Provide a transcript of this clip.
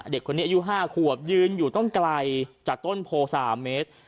เด็กคนนี้อายุ๕ขวบยืนอยู่ต้องไกลจากต้นโพ๓เมตร